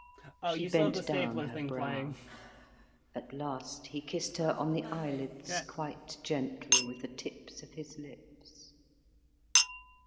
She bent down her brow; at last he kissed her on the eyelids quite gently with the tips of his lips.